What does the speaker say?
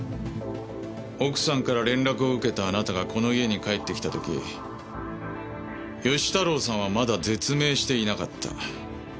奥さんから連絡を受けたあなたがこの家に帰ってきた時義太郎さんはまだ絶命していなかった。